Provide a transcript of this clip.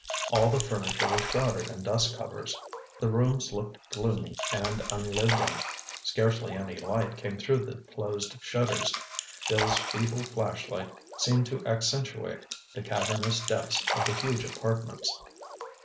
All the furniture was shrouded in dust covers. The rooms looked gloomy and un lived in. Scarcely any light came through the closed shutters. Bill's feeble flashlight seemed to accentuate the cavernous depths of the huge apartments.